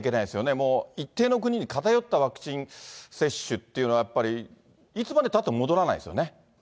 もう一定の国に偏ったワクチン接種というのは、いつまでたっても戻らないですよね。